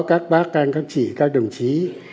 các bác các chị các đồng chí